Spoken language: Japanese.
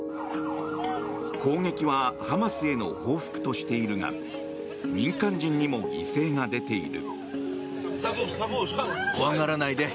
攻撃はハマスへの報復としているが民間人にも犠牲が出ている。